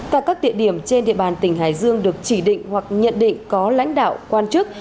tại các địa điểm trên địa bàn tỉnh hải dương được chỉ định hoặc nhận định có lãnh đạo quan chức